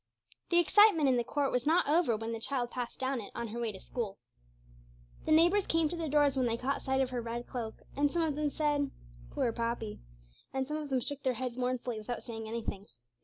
The excitement in the court was not over when the child passed down it on her way to school. The neighbours came to their doors when they caught sight of her red cloak, and some of them said, 'Poor Poppy!' and some of them shook their heads mournfully without saying anything.